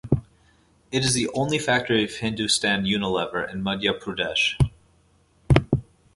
It is the only factory of Hindustan Unilever in Madhya Pradesh.